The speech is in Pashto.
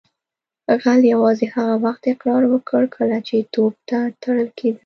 غل یوازې هغه وخت اقرار وکړ کله چې توپ ته تړل کیده